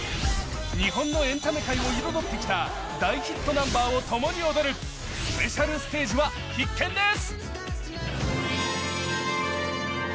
日本のエンタメ界を彩ってきたダンスナンバーをともに踊るスペシャルステージは必見です。